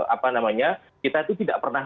apa namanya kita itu tidak pernah